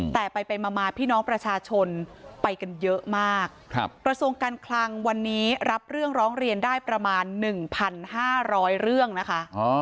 แต่ไปมาพี่น้องประชาชนไปกันเยอะมากกระทรวงการคลังวันนี้รับเรื่องร้องเรียนได้ประมาณ๑๕๐๐เรื่องนะคะ